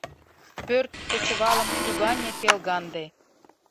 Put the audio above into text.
Пӧрт кечывалым тугане пелганде